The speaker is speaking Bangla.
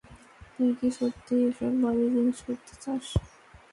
তুই কি সত্যিই এসব বাজে জিনিস করতে চাস?